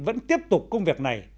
vẫn tiếp tục công việc này